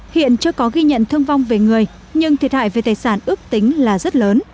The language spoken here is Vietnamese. hiện chưa có ghi nhận thương vong về người nhưng thiệt hại về tài sản ước tính là rất lớn